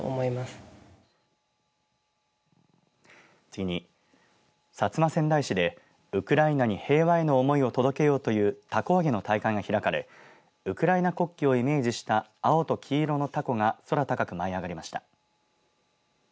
次に薩摩川内市でウクライナに平和への思いを届けようというたこあげの大会が開かれウクライナ国旗をイメージした青と黄色のたこが空高く舞い上がりました。